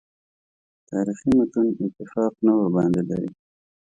تاریخي متون اتفاق نه ورباندې لري.